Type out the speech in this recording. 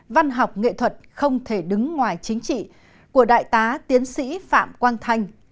văn học nghệ thuật không thể đứng ngoài chính trị của đại tá tiến sĩ phạm quang thanh